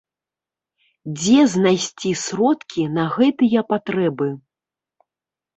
Дзе знайсці сродкі на гэтыя патрэбы?